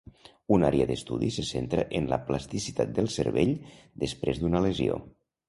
Una àrea d'estudi se centra en la plasticitat del cervell després d'una lesió.